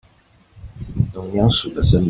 農糧署的聲明